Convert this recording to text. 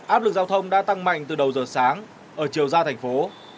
áp lực giao thông đã tăng mạnh từ đầu giờ sáng ở chiều ra thành phố